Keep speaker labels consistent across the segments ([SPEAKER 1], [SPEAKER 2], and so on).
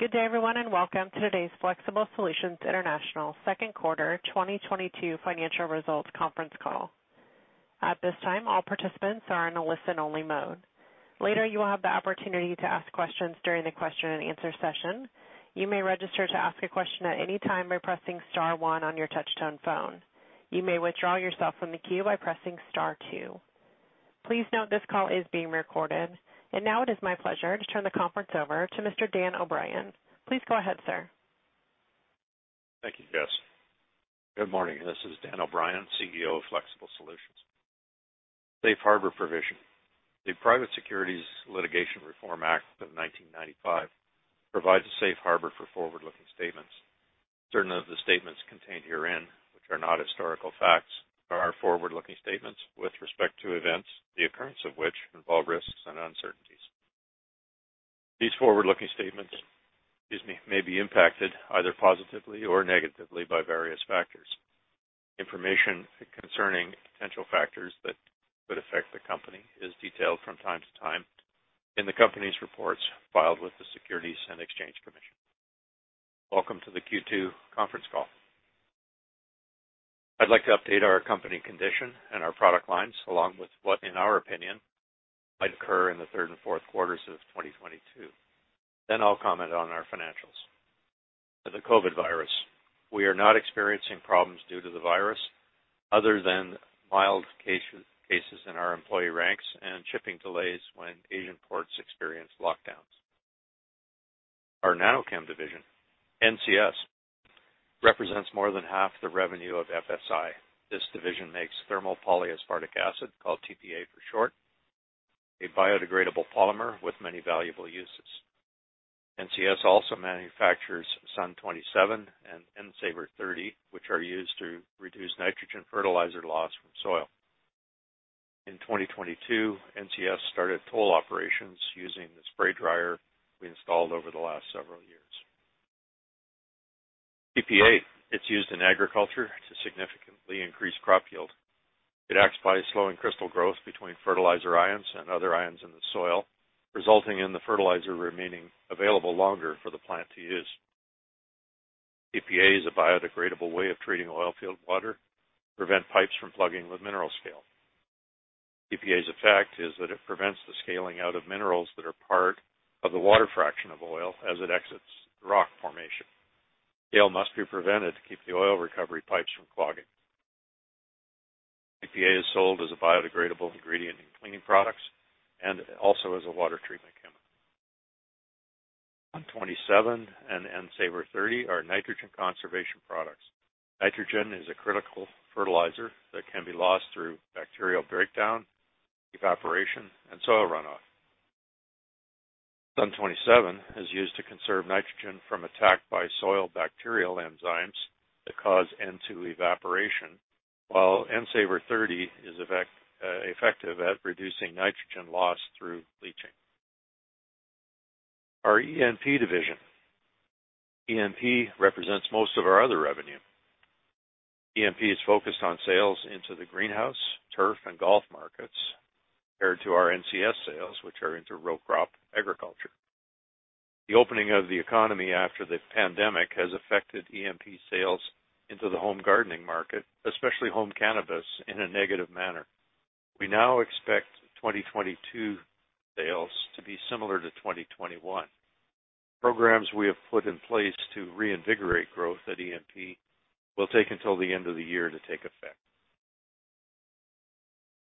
[SPEAKER 1] Good day, everyone, and welcome to today's Flexible Solutions International second quarter 2022 financial results conference call. At this time, all participants are in a listen-only mode. Later, you will have the opportunity to ask questions during the question-and-answer session. You may register to ask a question at any time by pressing star one on your touch-tone phone. You may withdraw yourself from the queue by pressing star two. Please note this call is being recorded. Now it is my pleasure to turn the conference over to Mr. Dan O'Brien. Please go ahead, sir.
[SPEAKER 2] Thank you, Jess. Good morning. This is Dan O'Brien, CEO of Flexible Solutions. Safe harbor provision. The Private Securities Litigation Reform Act of 1995 provides a safe harbor for forward-looking statements. Certain of the statements contained herein, which are not historical facts, are our forward-looking statements with respect to events, the occurrence of which involve risks and uncertainties. These forward-looking statements, excuse me, may be impacted either positively or negatively by various factors. Information concerning potential factors that could affect the company is detailed from time to time in the company's reports filed with the Securities and Exchange Commission. Welcome to the Q2 conference call. I'd like to update our company condition and our product lines, along with what in our opinion might occur in the third and fourth quarters of 2022. Then I'll comment on our financials. The COVID virus. We are not experiencing problems due to the virus other than mild cases in our employee ranks and shipping delays when Asian ports experience lockdowns. Our NanoChem division, NCS, represents more than half the revenue of FSI. This division makes thermal polyaspartic acid, called TPA for short, a biodegradable polymer with many valuable uses. NCS also manufactures SUN 27 and N Savr 30, which are used to reduce nitrogen fertilizer loss from soil. In 2022, NCS started toll operations using the spray dryer we installed over the last several years. TPA, it's used in agriculture to significantly increase crop yield. It acts by slowing crystal growth between fertilizer ions and other ions in the soil, resulting in the fertilizer remaining available longer for the plant to use. TPA is a biodegradable way of treating oil field water to prevent pipes from plugging with mineral scale. TPA's effect is that it prevents the scaling out of minerals that are part of the water fraction of oil as it exits rock formation. Scale must be prevented to keep the oil recovery pipes from clogging. TPA is sold as a biodegradable ingredient in cleaning products and also as a water treatment chemical. SUN 27 and N Savr 30 are nitrogen conservation products. Nitrogen is a critical fertilizer that can be lost through bacterial breakdown, evaporation, and soil runoff. SUN 27 is used to conserve nitrogen from attack by soil bacterial enzymes that cause N2 evaporation, while N Savr 30 is effective at reducing nitrogen loss through leaching. Our ENP division. ENP represents most of our other revenue. ENP is focused on sales into the greenhouse, turf, and golf markets compared to our NCS sales, which are into row crop agriculture. The opening of the economy after the pandemic has affected ENP sales into the home gardening market, especially home cannabis, in a negative manner. We now expect 2022 sales to be similar to 2021. Programs we have put in place to reinvigorate growth at ENP will take until the end of the year to take effect.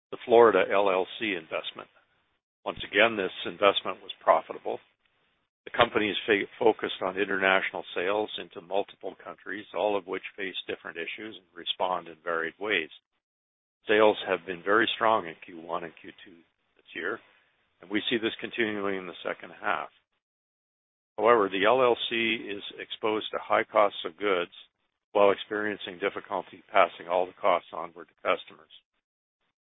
[SPEAKER 2] The Florida LLC investment. Once again, this investment was profitable. The company is focused on international sales into multiple countries, all of which face different issues and respond in varied ways. Sales have been very strong in Q1 and Q2 this year, and we see this continuing in the second half. However, the LLC is exposed to high cost of goods while experiencing difficulty passing all the costs on to customers.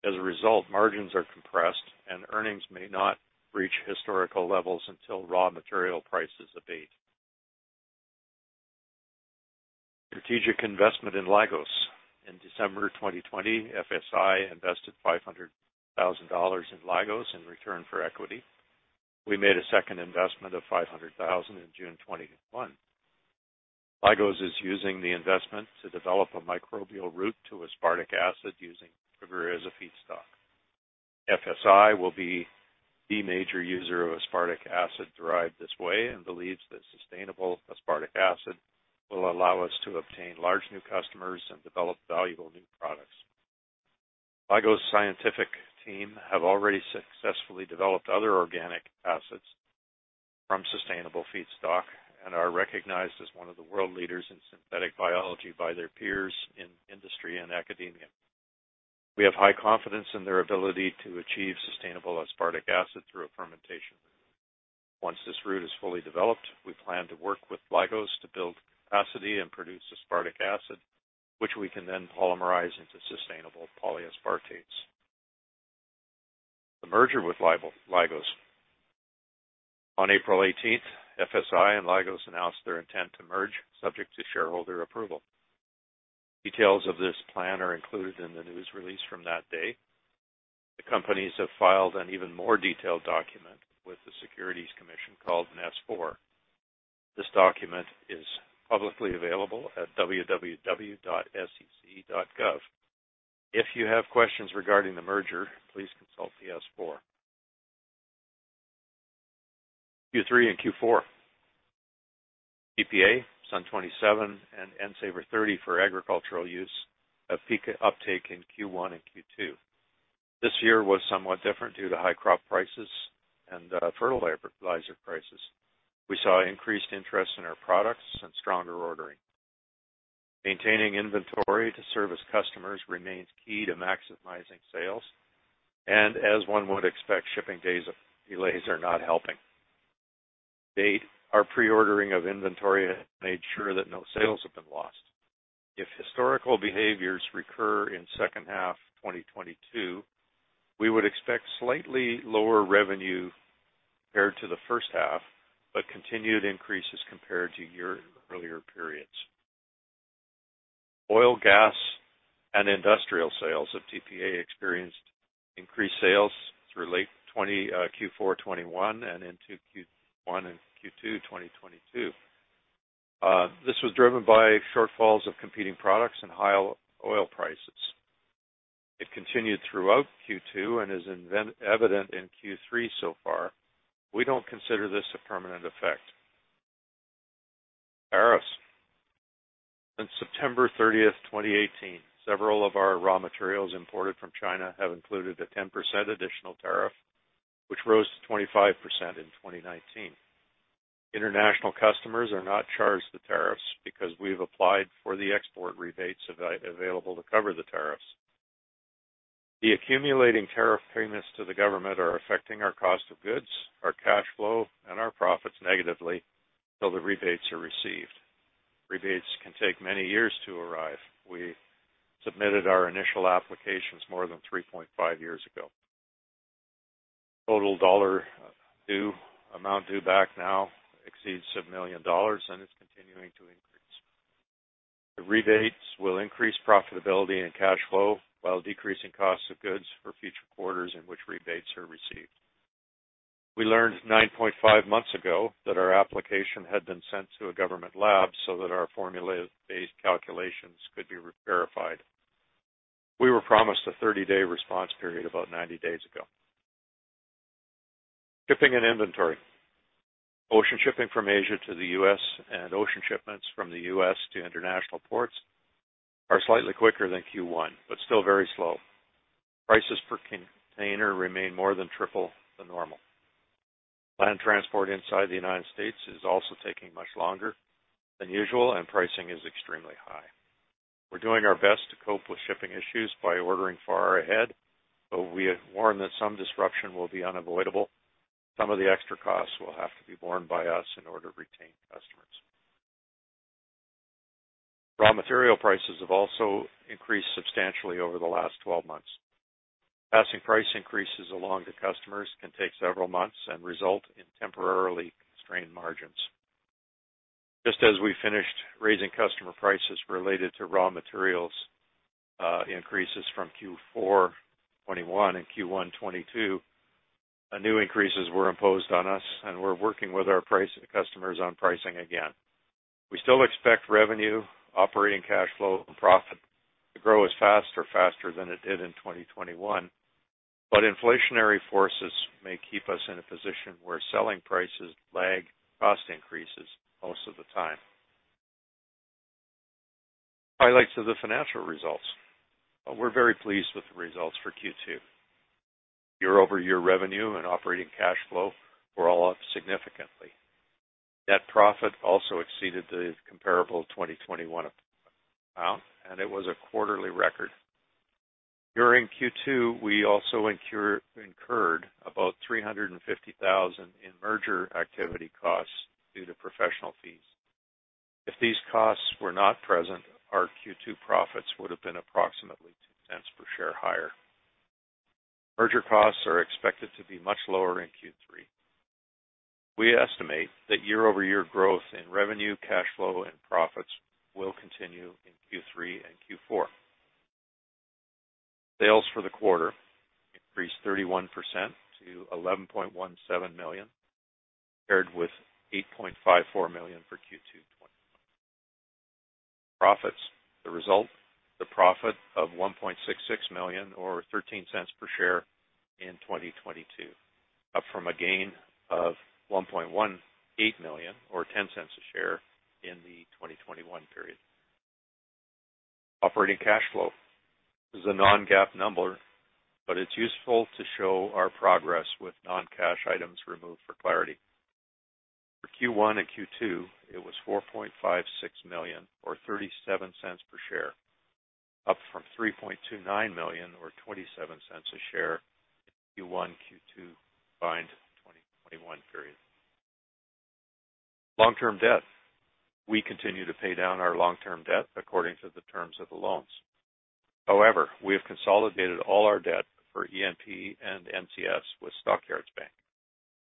[SPEAKER 2] As a result, margins are compressed, and earnings may not reach historical levels until raw material prices abate. Strategic investment in Lygos. In December 2020, FSI invested $500,000 in Lygos in return for equity. We made a second investment of $500,000 in June 2021. Lygos is using the investment to develop a microbial route to aspartic acid using sugar as a feedstock. FSI will be the major user of aspartic acid derived this way and believes that sustainable aspartic acid will allow us to obtain large new customers and develop valuable new products. Lygos' scientific team have already successfully developed other organic acids from sustainable feedstock and are recognized as one of the world leaders in synthetic biology by their peers in industry and academia. We have high confidence in their ability to achieve sustainable aspartic acid through a fermentation route. Once this route is fully developed, we plan to work with Lygos to build capacity and produce aspartic acid, which we can then polymerize into sustainable polyaspartates. The merger with Lygos. On April 18th, FSI and Lygos announced their intent to merge subject to shareholder approval. Details of this plan are included in the news release from that day. The companies have filed an even more detailed document with the Securities and Exchange Commission called an S-4. This document is publicly available at www.sec.gov. If you have questions regarding the merger, please consult the S-4. Q3 and Q4. TPA, SUN 27, and N Savr 30 for agricultural use have peak uptake in Q1 and Q2. This year was somewhat different due to high crop prices and fertilizer prices. We saw increased interest in our products and stronger ordering. Maintaining inventory to service customers remains key to maximizing sales. As one would expect, shipping days of delays are not helping. To date, our pre-ordering of inventory made sure that no sales have been lost. If historical behaviors recur in second half 2022, we would expect slightly lower revenue compared to the first half, but continued increases compared to year-earlier periods. Oil, gas, and industrial sales of TPA experienced increased sales through late 2020 Q4 2021 and into Q1 and Q2 2022. This was driven by shortfalls of competing products and high oil prices. It continued throughout Q2 and is evident in Q3 so far. We don't consider this a permanent effect. Tariffs. Since September 30th, 2018, several of our raw materials imported from China have included a 10% additional tariff, which rose to 25% in 2019. International customers are not charged the tariffs because we've applied for the export rebates available to cover the tariffs. The accumulating tariff payments to the government are affecting our cost of goods, our cash flow, and our profits negatively until the rebates are received. Rebates can take many years to arrive. We submitted our initial applications more than 3.5 years ago. Total dollar amount due back now exceeds $1 million and is continuing to increase. The rebates will increase profitability and cash flow while decreasing costs of goods for future quarters in which rebates are received. We learned 9.5 months ago that our application had been sent to a government lab so that our formula-based calculations could be verified. We were promised a 30 day response period about 90 days ago. Shipping and inventory. Ocean shipping from Asia to the U.S. and ocean shipments from the U.S. to international ports are slightly quicker than Q1, but still very slow. Prices per container remain more than triple the normal. Land transport inside the United States is also taking much longer than usual, and pricing is extremely high. We're doing our best to cope with shipping issues by ordering far ahead, but we have warned that some disruption will be unavoidable. Some of the extra costs will have to be borne by us in order to retain customers. Raw material prices have also increased substantially over the last twelve months. Passing price increases along to customers can take several months and result in temporarily constrained margins. Just as we finished raising customer prices related to raw materials increases from Q4 2021 and Q1 2022, new increases were imposed on us, and we're working with our pricing customers on pricing again. We still expect revenue, operating cash flow, and profit to grow as fast or faster than it did in 2021, but inflationary forces may keep us in a position where selling prices lag cost increases most of the time. Highlights of the financial results. We're very pleased with the results for Q2. Year-over-year revenue and operating cash flow were all up significantly. Net profit also exceeded the comparable 2021 amount, and it was a quarterly record. During Q2, we also incurred about $350,000 in merger activity costs due to professional fees. If these costs were not present, our Q2 profits would have been approximately $0.02 per share higher. Merger costs are expected to be much lower in Q3. We estimate that year-over-year growth in revenue, cash flow, and profits will continue in Q3 and Q4. Sales for the quarter increased 31% to $11.17 million, paired with $8.54 million for Q2 2021. Profits. The result, the profit of $1.66 million or $0.13 per share in 2022, up from a gain of $1.18 million or $0.10 a share in the 2021 period. Operating cash flow is a non-GAAP number, but it's useful to show our progress with non-cash items removed for clarity. For Q1 and Q2, it was $4.56 million or $0.37 per share, up from $3.29 million or $0.27 a share in Q1, Q2 combined 2021 period. Long-term debt. We continue to pay down our long-term debt according to the terms of the loans. However, we have consolidated all our debt for ENP and NCS with Stock Yards Bank.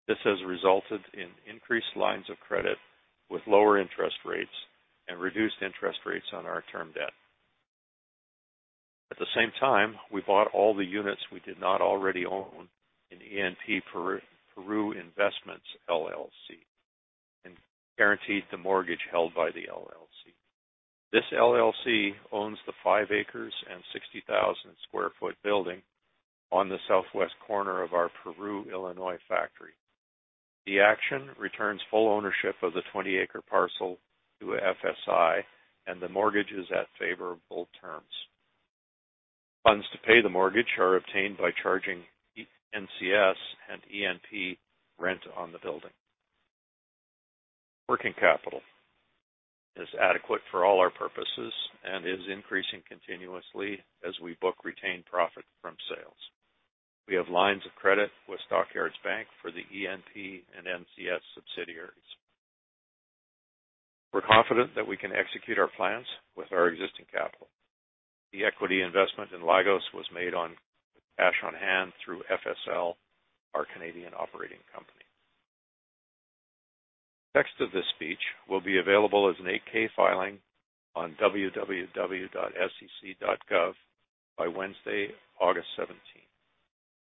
[SPEAKER 2] This has resulted in increased lines of credit with lower interest rates and reduced interest rates on our term debt. At the same time, we bought all the units we did not already own in ENP Peru Investments, LLC, and guaranteed the mortgage held by the LLC. This LLC owns the 5 acres and 60,000 sq ft building on the southwest corner of our Peru, Illinois factory. The action returns full ownership of the 20-acre parcel to FSI, and the mortgage is at favorable terms. Funds to pay the mortgage are obtained by charging NCS and ENP rent on the building. Working capital is adequate for all our purposes and is increasing continuously as we book retained profit from sales. We have lines of credit with Stock Yards Bank for the ENP and NCS subsidiaries. We're confident that we can execute our plans with our existing capital. The equity investment in Lygos was made on cash on hand through FSL, our Canadian operating company. The text of this speech will be available as an 8-K filing on www.sec.gov by Wednesday, August 17th.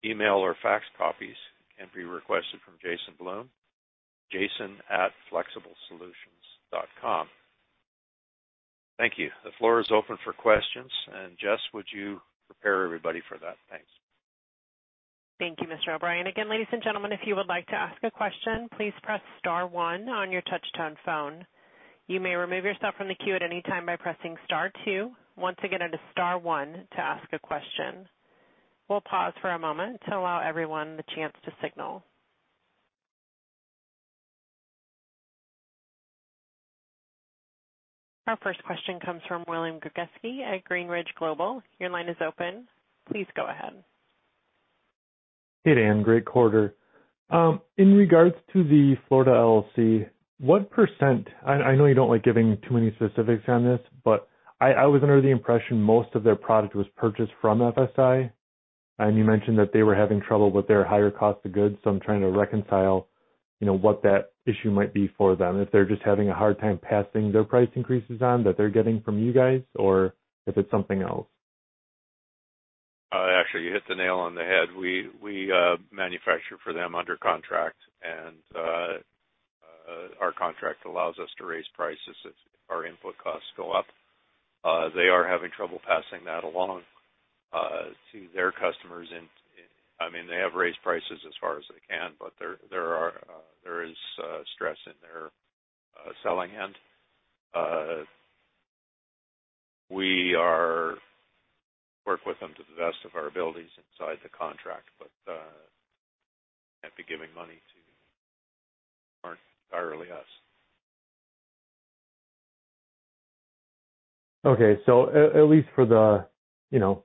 [SPEAKER 2] Email or fax copies can be requested from Jason Bloom, jason@flexiblesolutions.com. Thank you. The floor is open for questions. Jess, would you prepare everybody for that? Thanks.
[SPEAKER 1] Thank you, Mr. O'Brien. Again, ladies and gentlemen, if you would like to ask a question, please press star one on your touch-tone phone. You may remove yourself from the queue at any time by pressing star two. Once again, it is star one to ask a question. We'll pause for a moment to allow everyone the chance to signal. Our first question comes from William Gregozeski at Greenridge Global. Your line is open. Please go ahead.
[SPEAKER 3] Hey, Dan. Great quarter. In regards to the Florida LLC, what percent. I know you don't like giving too many specifics on this, but I was under the impression most of their product was purchased from FSI, and you mentioned that they were having trouble with their higher cost of goods. I'm trying to reconcile, you know, what that issue might be for them, if they're just having a hard time passing their price increases on that they're getting from you guys, or if it's something else?
[SPEAKER 2] Actually, you hit the nail on the head. We manufacture for them under contract, and our contract allows us to raise prices as our input costs go up. They are having trouble passing that along to their customers. I mean, they have raised prices as far as they can, but there is stress in their selling end. We are working with them to the best of our abilities inside the contract, but can't be giving money away, aren't entirely us.
[SPEAKER 3] Okay. At least for the, you know,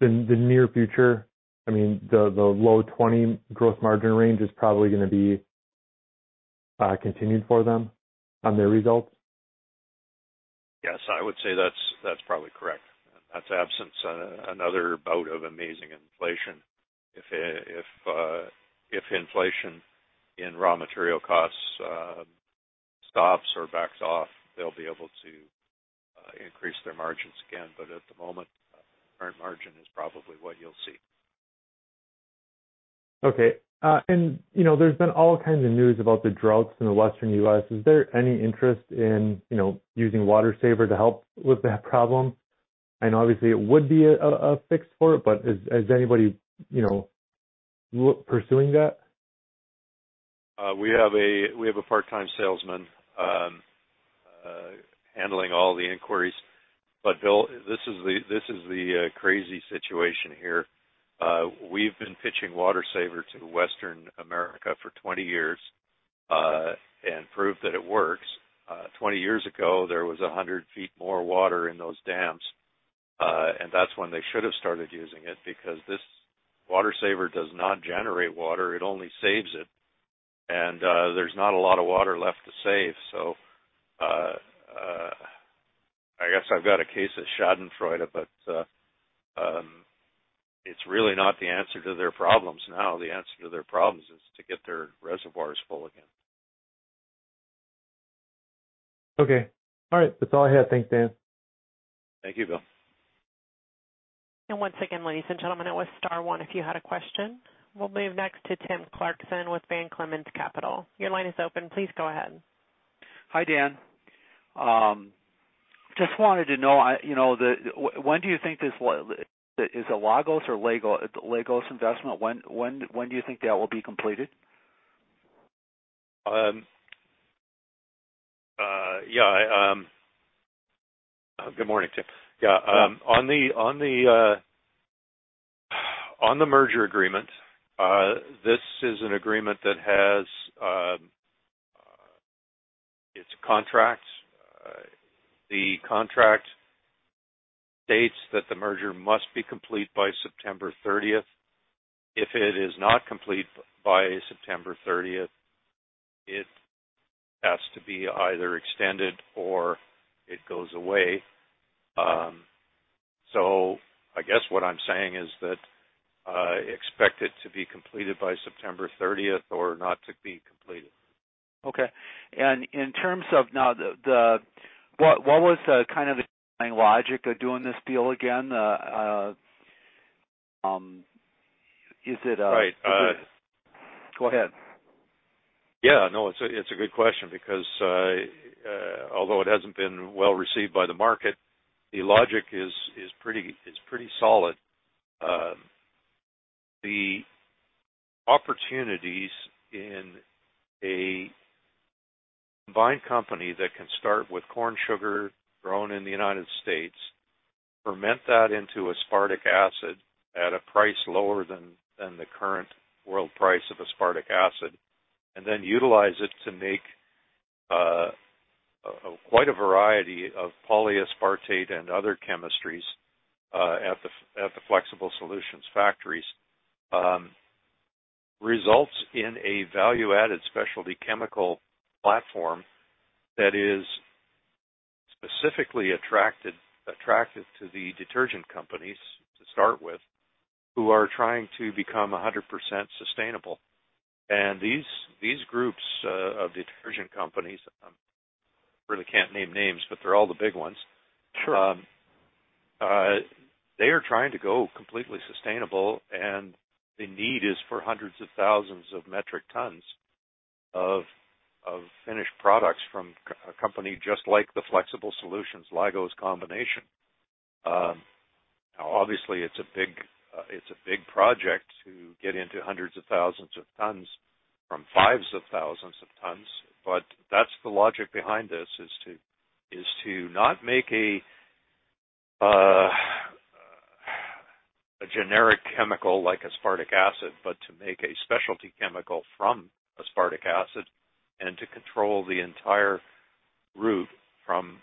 [SPEAKER 3] the near future, I mean, the low 20% growth margin range is probably gonna be continued for them on their results?
[SPEAKER 2] Yes, I would say that's probably correct. That's absent another bout of raging inflation. If inflation in raw material costs stops or backs off, they'll be able to increase their margins again. At the moment, current margin is probably what you'll see.
[SPEAKER 3] Okay, you know, there's been all kinds of news about the droughts in the Western U.S. Is there any interest in, you know, using WATERSAVR to help with that problem? Obviously, it would be a fix for it, but is anybody, you know, pursuing that?
[SPEAKER 2] We have a part-time salesman handling all the inquiries. Bill, this is the crazy situation here. We've been pitching WATERSAVR to Western America for 20 years and proved that it works. Twenty years ago, there was 100 feet more water in those dams, and that's when they should have started using it because this WATERSAVR does not generate water, it only saves it. There's not a lot of water left to save. I guess I've got a case of schadenfreude, but it's really not the answer to their problems. Now, the answer to their problems is to get their reservoirs full again.
[SPEAKER 3] Okay. All right. That's all I have. Thanks, Dan.
[SPEAKER 2] Thank you, Bill.
[SPEAKER 1] Once again, ladies and gentlemen, it was star one if you had a question. We'll move next to Tim Clarkson with Van Clemens Capital. Your line is open. Please go ahead.
[SPEAKER 4] Hi, Dan. Just wanted to know, you know, when do you think this, is it Lygos or Lygos investment? When do you think that will be completed?
[SPEAKER 2] Good morning, Tim. On the merger agreement, this is an agreement that has its contracts. The contract states that the merger must be complete by September thirtieth. If it is not complete by September thirtieth, it has to be either extended or it goes away. I guess what I'm saying is that expect it to be completed by September thirtieth or not to be completed.
[SPEAKER 4] Okay. in terms of what was kind of the underlying logic of doing this deal again? Is it?
[SPEAKER 2] Right.
[SPEAKER 4] Go ahead.
[SPEAKER 2] Yeah, no, it's a good question because although it hasn't been well received by the market, the logic is pretty solid. The opportunities in a combined company that can start with corn sugar grown in the United States, ferment that into aspartic acid at a price lower than the current world price of aspartic acid, and then utilize it to make quite a variety of polyaspartate and other chemistries at the Flexible Solutions factories results in a value-added specialty chemical platform that is specifically attractive to the detergent companies, to start with, who are trying to become 100% sustainable. These groups of detergent companies really can't name names, but they're all the big ones.
[SPEAKER 4] Sure.
[SPEAKER 2] They are trying to go completely sustainable, and the need is for hundreds of thousands of metric tons of finished products from a company just like the Flexible Solutions, Lygos combination. Now obviously it's a big project to get into hundreds of thousands of tons from five thousand tons. That's the logic behind this, is to not make a generic chemical like aspartic acid, but to make a specialty chemical from aspartic acid and to control the entire route from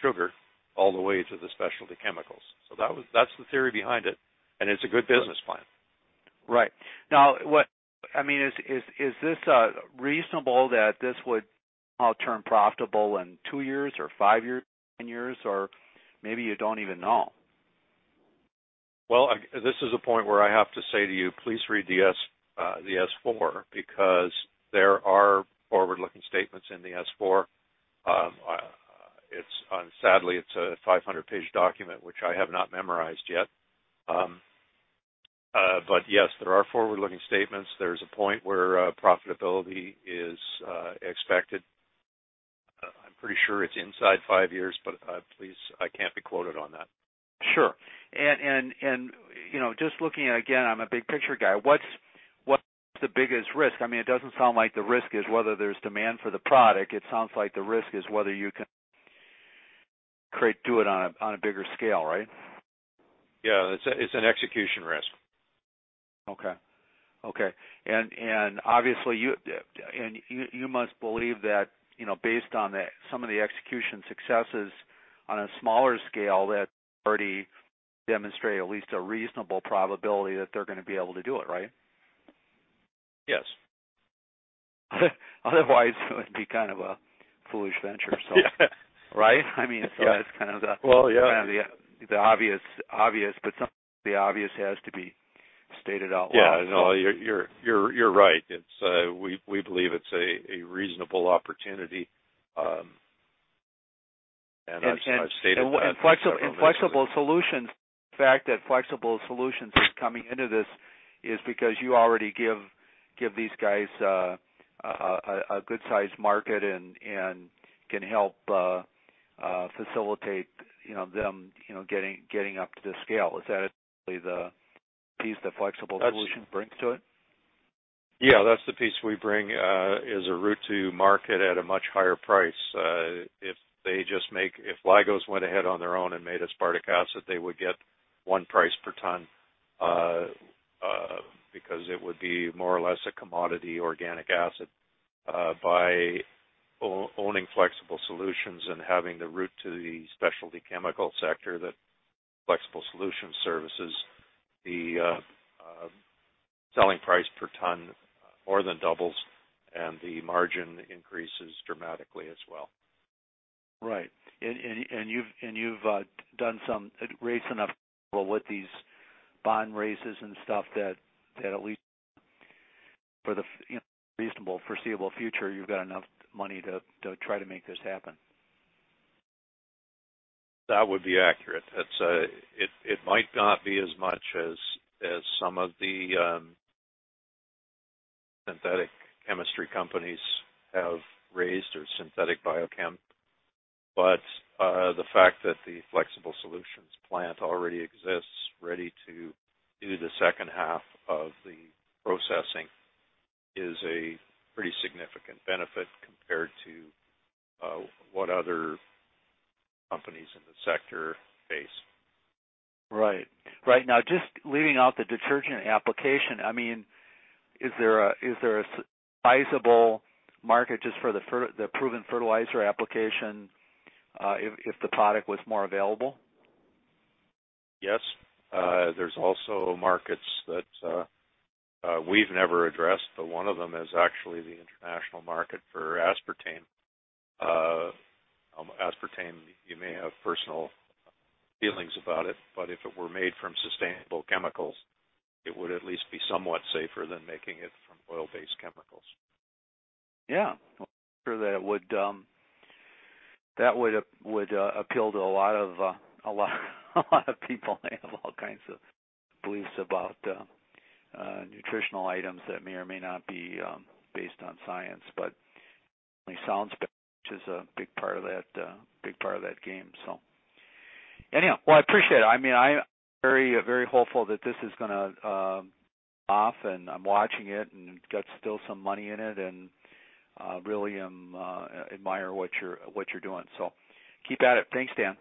[SPEAKER 2] sugar all the way to the specialty chemicals. That's the theory behind it, and it's a good business plan.
[SPEAKER 4] Right. Now, is this reasonable that this would turn profitable in two years or five years, 10 years? Or maybe you don't even know.
[SPEAKER 2] Well, this is a point where I have to say to you, please read the S-4, because there are forward-looking statements in the S-4. Sadly, it's a 500-page document, which I have not memorized yet. Yes, there are forward-looking statements. There's a point where profitability is expected. I'm pretty sure it's inside five years, but please, I can't be quoted on that.
[SPEAKER 4] Sure. You know, just looking at, again, I'm a big picture guy. What's the biggest risk? I mean, it doesn't sound like the risk is whether there's demand for the product. It sounds like the risk is whether you can do it on a bigger scale, right?
[SPEAKER 2] Yeah. It's an execution risk.
[SPEAKER 4] Okay. Obviously you must believe that, you know, based on some of the execution successes on a smaller scale, that already demonstrate at least a reasonable probability that they're gonna be able to do it, right?
[SPEAKER 2] Yes.
[SPEAKER 4] Otherwise, it would be kind of a foolish venture, so.
[SPEAKER 2] Yeah.
[SPEAKER 4] Right? I mean.
[SPEAKER 2] Yeah.
[SPEAKER 4] That's kind of the.
[SPEAKER 2] Well, yeah.
[SPEAKER 4] Kind of the obvious. Some of the obvious has to be stated out loud.
[SPEAKER 2] Yeah. No, you're right. It's. We believe it's a reasonable opportunity, and I've stated that several times.
[SPEAKER 4] Flexible Solutions. The fact that Flexible Solutions is coming into this is because you already give these guys a good-sized market and can help facilitate, you know, them, you know, getting up to the scale. Is that essentially the piece that Flexible Solutions brings to it?
[SPEAKER 2] Yeah, that's the piece we bring is a route to market at a much higher price. If Lygos went ahead on their own and made aspartic acid, they would get one price per ton, because it would be more or less a commodity organic acid. By owning Flexible Solutions and having the route to the specialty chemical sector that Flexible Solutions services, the selling price per ton more than doubles, and the margin increases dramatically as well.
[SPEAKER 4] Right. You've raised enough capital with these bond raises and stuff that at least for the, you know, reasonably foreseeable future, you've got enough money to try to make this happen.
[SPEAKER 2] That would be accurate. That's. It might not be as much as some of the synthetic chemistry companies have raised, or synthetic biochem. The fact that the Flexible Solutions plant already exists, ready to do the second half of the processing, is a pretty significant benefit compared to what other companies in the sector face.
[SPEAKER 4] Right. Now, just leaving out the detergent application, I mean, is there a sizable market just for the proven fertilizer application, if the product was more available?
[SPEAKER 2] Yes. There's also markets that we've never addressed, but one of them is actually the international market for aspartame. Aspartame, you may have personal feelings about it, but if it were made from sustainable chemicals, it would at least be somewhat safer than making it from oil-based chemicals.
[SPEAKER 4] Yeah. I'm sure that would appeal to a lot of people. They have all kinds of beliefs about nutritional items that may or may not be based on science. Certainly sound specs is a big part of that game. Anyhow, well, I appreciate it. I mean, I'm very, very hopeful that this is gonna pay off, and I'm watching it and got still some money in it, and really admire what you're doing. Keep at it. Thanks, Dan.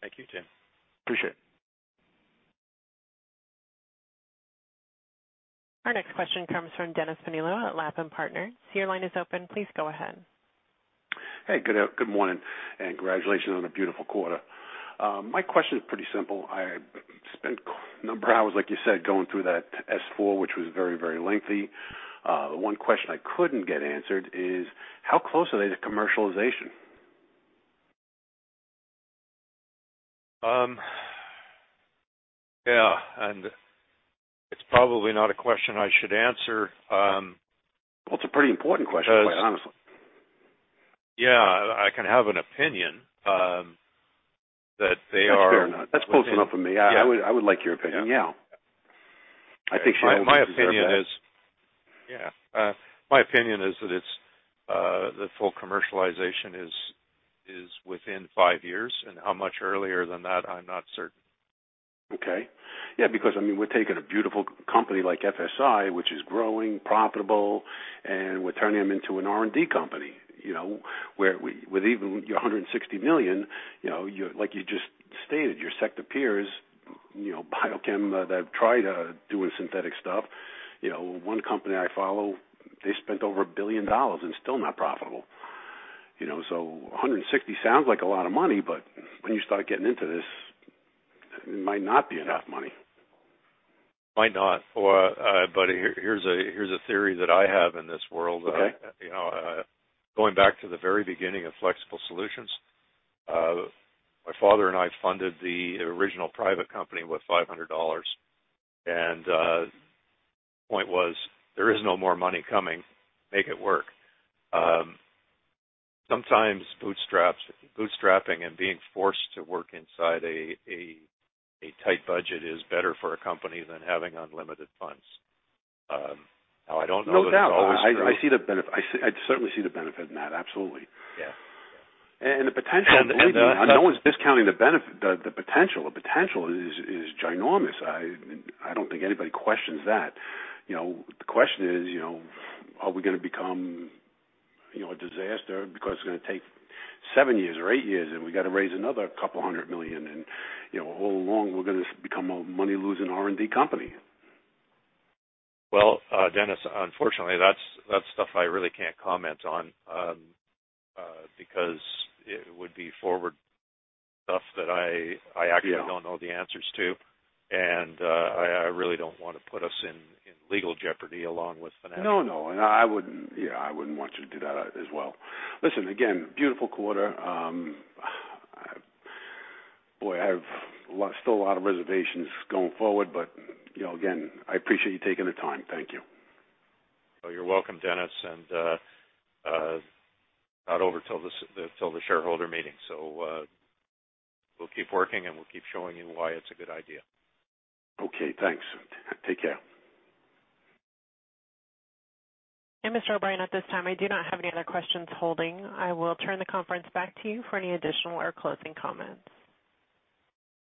[SPEAKER 2] Thank you, Tim.
[SPEAKER 4] Appreciate it.
[SPEAKER 1] Our next question comes from Dennis Bonillo at Latham Partners. Your line is open. Please go ahead.
[SPEAKER 5] Hey, good morning, and congratulations on a beautiful quarter. My question is pretty simple. I spent a number of hours, like you said, going through that S-4, which was very lengthy. The one question I couldn't get answered is how close are they to commercialization?
[SPEAKER 2] Yeah, it's probably not a question I should answer.
[SPEAKER 5] Well, it's a pretty important question, quite honestly.
[SPEAKER 2] Yeah. I can have an opinion that they are.
[SPEAKER 5] That's fair enough. That's close enough for me.
[SPEAKER 2] Yeah.
[SPEAKER 5] I would like your opinion.
[SPEAKER 2] Yeah.
[SPEAKER 5] Yeah. I think shareholders deserve that.
[SPEAKER 2] My opinion is. Yeah. My opinion is that it's the full commercialization is within five years, and how much earlier than that, I'm not certain.
[SPEAKER 5] Okay. Yeah, because, I mean, we're taking a beautiful company like FSI, which is growing, profitable, and we're turning them into an R&D company. You know, where with even your $160 million, you know, you're, like you just stated, your sector peers, you know, biochem that have tried doing synthetic stuff. You know, one company I follow, they spent over a billion dollars and still not profitable. You know, so 160 sounds like a lot of money, but when you start getting into this, it might not be enough money.
[SPEAKER 2] Might not. Here, here's a theory that I have in this world.
[SPEAKER 5] Okay.
[SPEAKER 2] You know, going back to the very beginning of Flexible Solutions, my father and I funded the original private company with $500. The point was, there is no more money coming. Make it work. Sometimes bootstrapping and being forced to work inside a tight budget is better for a company than having unlimited funds. Now, I don't know if that's always true.
[SPEAKER 5] No doubt. I see the benefit. I certainly see the benefit in that, absolutely.
[SPEAKER 2] Yeah.
[SPEAKER 5] The potential.
[SPEAKER 2] And, uh.
[SPEAKER 5] No one's discounting the benefit, the potential. The potential is ginormous. I don't think anybody questions that. You know, the question is, you know, are we gonna become, you know, a disaster because it's gonna take seven years or eight years, and we gotta raise another $200 million. You know, all along, we're gonna become a money-losing R&D company.
[SPEAKER 2] Well, Dennis, unfortunately, that's stuff I really can't comment on, because it would be forward stuff that I actually don't know the answers to. I really don't wanna put us in legal jeopardy along with financial.
[SPEAKER 5] No, no. I wouldn't want you to do that as well. Listen, again, beautiful quarter. Boy, I still have a lot of reservations going forward, but you know, again, I appreciate you taking the time. Thank you.
[SPEAKER 2] Oh, you're welcome, Dennis. Not over till the shareholder meeting. We'll keep working, and we'll keep showing you why it's a good idea.
[SPEAKER 5] Okay, thanks. Take care.
[SPEAKER 1] Mr. O'Brien, at this time, I do not have any other questions holding. I will turn the conference back to you for any additional or closing comments.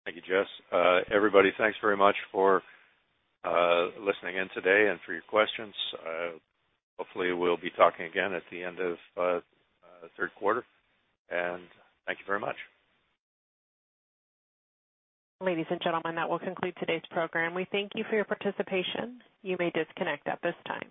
[SPEAKER 2] Thank you, Jess. Everybody, thanks very much for listening in today and for your questions. Hopefully we'll be talking again at the end of third quarter, and thank you very much.
[SPEAKER 1] Ladies and gentlemen, that will conclude today's program. We thank you for your participation. You may disconnect at this time.